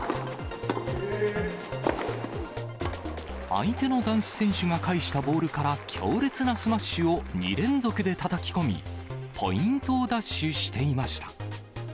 相手の男子選手が返したボールから、強烈なスマッシュを２連続でたたき込み、ポイントを奪取していました。